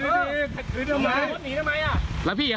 พี่จับผมเรื่องอะไร